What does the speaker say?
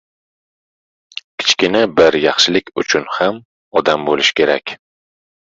Kichkina bir yaxshilik qilish uchun ham odam bo‘lish kerak;